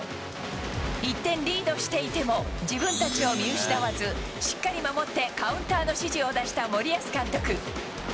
１点リードしていても、自分たちを見失わず、しっかり守ってカウンターの指示を出した森保監督。